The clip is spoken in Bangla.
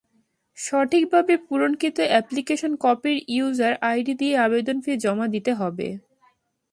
সঠিকভাবে পূরণকৃত অ্যাপ্লিকেশন কপির ইউজার আইডি দিয়ে আবেদন ফি জমা দিতে হবে।